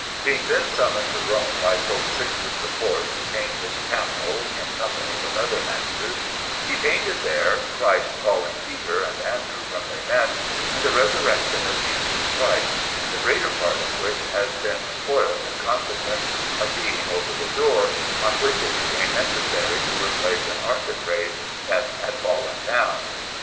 Trinita_) Alinari] Being then summoned to Rome by Pope Sixtus IV to paint his chapel, in company with other masters, he painted there Christ calling Peter and Andrew from their nets, and the Resurrection of Jesus Christ, the greater part of which has since been spoilt in consequence of being over the door, on which it became necessary to replace an architrave that had fallen down.